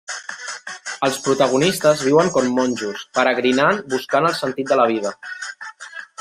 Els protagonistes viuen com monjos, peregrinant buscant el sentit de la vida.